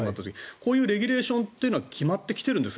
こういうレギュレーションは決まってきてるんですか？